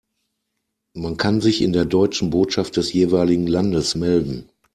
Man kann sich in der deutschen Botschaft des jeweiligen Landes melden.